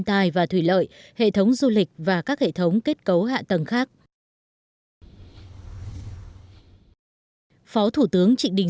tài và thủy lợi hệ thống du lịch và các hệ thống kết cấu hạ tầng khác phó thủ tướng trịnh đình